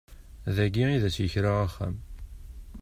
Dagi i d as-yekra axxam.